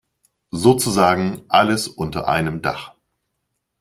Sozusagen alles unter einem Dach.